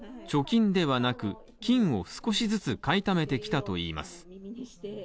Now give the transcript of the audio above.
貯金ではなく、金を少しずつ買いためてきたといいます